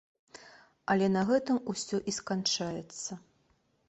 Але на гэтым усё і сканчаецца.